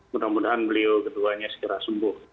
mudah mudahan beliau keduanya segera sembuh